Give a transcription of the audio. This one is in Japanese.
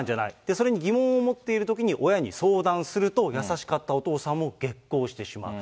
それに疑問を持っているときに、親に相談すると、優しかったお父さんも激昂してしまう。